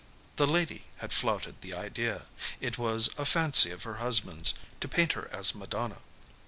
The lady had flouted the idea. It was a fancy of her husband's, to paint her as Madonna.